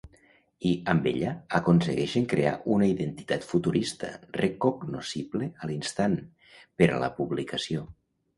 I, amb ella, aconseguixen crear una identitat futurista, recognoscible a l'instant, per a la publicació.